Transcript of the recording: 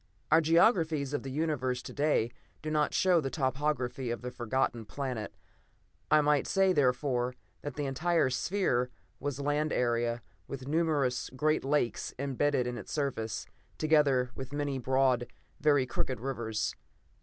Our geographies of the Universe to day do not show the topography of the Forgotten Planet: I might say, therefore, that the entire sphere was land area, with numerous great lakes embedded in its surface, together with many broad, very crooked rivers.